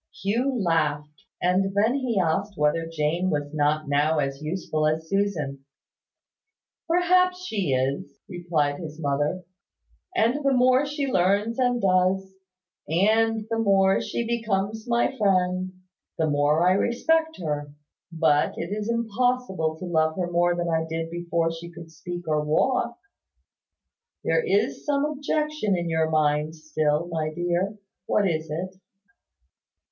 Hugh laughed; and then he asked whether Jane was not now as useful as Susan. "Perhaps she is," replied his mother; "and the more she learns and does, and the more she becomes my friend, the more I respect her: but it is impossible to love her more than I did before she could speak or walk. There is some objection in your mind still, my dear. What is it?"